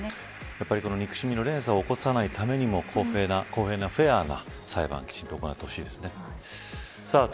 やっぱり憎しみの連鎖を起こさないためにも公平なフェアな裁判をきちんと行ってほしいですね。